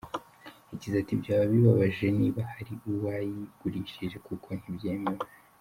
Yagize ati “Byaba bibabaje niba hari uwayigurishije kuko ntibyemewe.